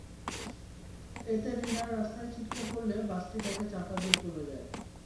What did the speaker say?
এতে রিনা রাস্তায় ছিটকে পড়লে বাসটি তাঁকে চাপা দিয়ে চলে যায়।